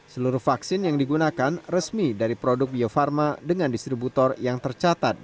seluruh vaksin yang digunakan resmi dari produk bio farma dengan distributor yang tercatat